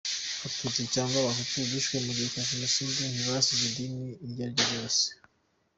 Abatutsi cyangwa Abahutu bishwe mu gihe cya Jenoside ntibazize idini iyo ari yo yose.